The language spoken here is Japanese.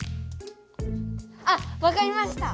あっわかりました。